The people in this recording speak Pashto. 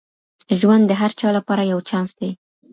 ژوند د هر چا لپاره یو چانس دی.